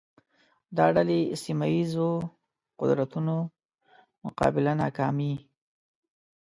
دا ډلې سیمه ییزو قدرتونو مقابله ناکامې